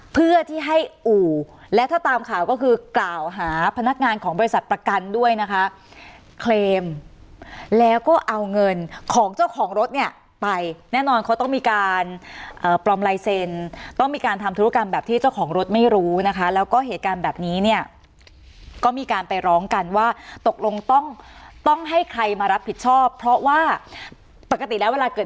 เพื่อที่ให้อู่และถ้าตามข่าวก็คือกล่าวหาพนักงานของบริษัทประกันด้วยนะคะเคลมแล้วก็เอาเงินของเจ้าของรถเนี่ยไปแน่นอนเขาต้องมีการปลอมลายเซ็นต้องมีการทำธุรกรรมแบบที่เจ้าของรถไม่รู้นะคะแล้วก็เหตุการณ์แบบนี้เนี่ยก็มีการไปร้องกันว่าตกลงต้องต้องให้ใครมารับผิดชอบเพราะว่าปกติแล้วเวลาเกิด